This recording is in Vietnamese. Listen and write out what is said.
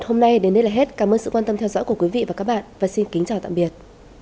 hôm nay đến đây là hết cảm ơn sự quan tâm theo dõi của quý vị và các bạn và xin kính chào tạm biệt